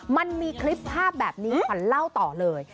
มันมีคลิปภาพแบบนี้ขวัญเล่าต่อเลย